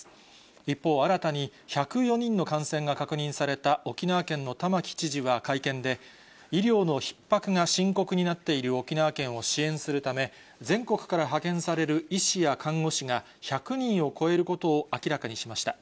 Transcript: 一方、新たに１０４人の感染が確認された沖縄県の玉城知事は会見で、医療のひっ迫が深刻になっている沖縄県を支援するため、全国から派遣される医師や看護師が１００人を超えることを明らかにしました。